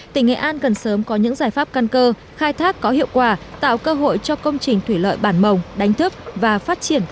tỉnh nghệ an cần sớm có những giải pháp căn cơ khai thác có hiệu quả tạo cơ hội cho công trình thủy lợi bản mồng đánh thức và phát triển